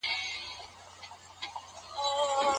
د منځګړو لپاره اساسي شرط څه سی دی؟